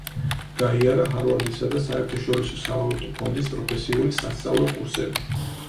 გაიარა ჰარვარდისა და საერთაშორისო სავალუტო ფონდის პროფესიული სასწავლო კურსები.